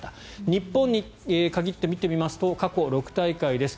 日本に限って見てみますと過去６大会です。